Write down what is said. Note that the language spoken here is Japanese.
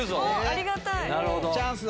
ありがたい！